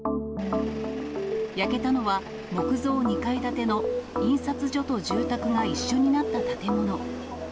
焼けたのは木造２階建ての印刷所と住宅が一緒になった建物。